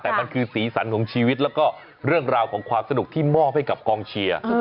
แต่มันคือสีสันของชีวิตแล้วก็เรื่องราวของความสนุกที่มอบให้กับกองเชียร์